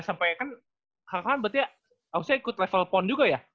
sampai kan kakak kan berarti ya harusnya ikut level pon juga ya